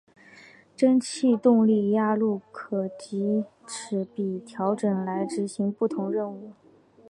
蒸气动力压路机可藉齿比调整来执行不同任务。